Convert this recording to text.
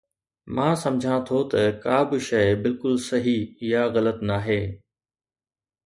مان سمجهان ٿو ته ڪا به شيء بلڪل صحيح يا غلط ناهي